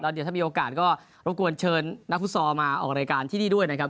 เดี๋ยวถ้ามีโอกาสก็รบกวนเชิญนักฟุตซอลมาออกรายการที่นี่ด้วยนะครับ